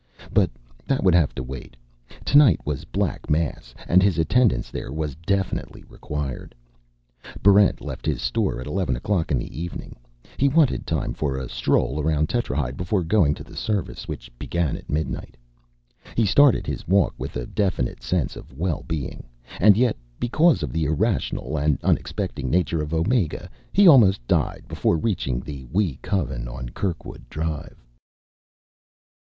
But that would have to wait. Tonight was Black Mass, and his attendance there was definitely required. Barrent left his store at eleven o'clock in the evening. He wanted time for a stroll around Tetrahyde before going to the service, which began at midnight. He started his walk with a definite sense of well being. And yet, because of the irrational and unexpecting nature of Omega, he almost died before reaching the Wee Coven on Kirkwood Drive.